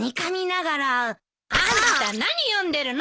あんた何読んでるの！？